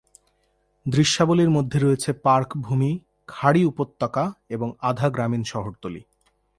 দৃশ্যাবলির মধ্যে রয়েছে পার্ক ভূমি, খাঁড়ি উপত্যকা এবং আধা-গ্রামীণ শহরতলি।